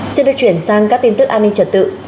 xin được chuyển sang các tin tức an ninh trật tự